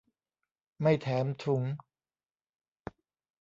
ไม่แถมถุง